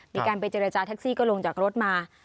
มีการไปเจรจาแท็กซี่ก็ลงจากรถมา